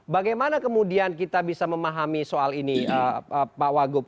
bagaimana kemudian kita bisa memahami soal ini pak wagub